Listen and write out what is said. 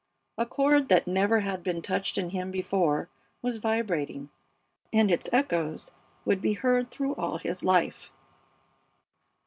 A chord that never had been touched in him before was vibrating, and its echoes would be heard through all his life.